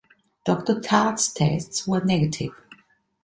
Doctor Tart's tests were negative.